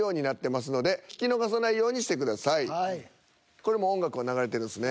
これもう音楽は流れてるんですね。